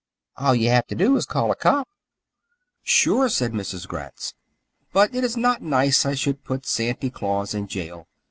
All ye have t' do is t' call a cop." "Sure!" said Mrs. Gratz. "But it is not nice I should put Santy Claus in jail.